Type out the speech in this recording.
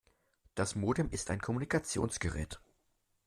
Das Modem ist ein Kommunikationsgerät.